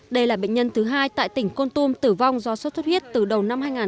đây là bệnh nhân thứ hai tại tỉnh con tùm tử vong do sốt xuất huyết từ đầu năm hai nghìn một mươi sáu đến nay